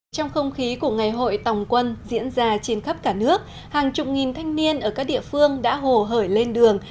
trong không khí của ngày hội tòng quân diễn ra trên khắp cả nước hàng chục nghìn thanh niên ở các địa phương đã hồ hởi lên đường